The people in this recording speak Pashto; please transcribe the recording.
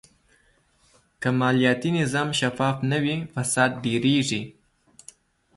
که مالیاتي نظام شفاف نه وي، فساد ډېرېږي.